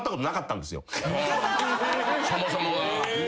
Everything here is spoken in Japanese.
そもそもが。